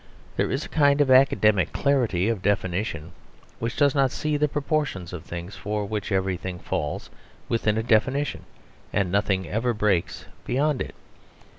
There is a kind of academic clarity of definition which does not see the proportions of things for which everything falls within a definition, and nothing ever breaks beyond it.